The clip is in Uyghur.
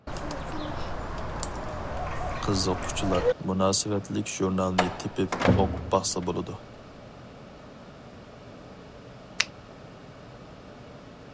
قىزىققۇچىلار مۇناسىۋەتلىك ژۇرنالنى تېپىپ ئوقۇپ باقسا بولىدۇ.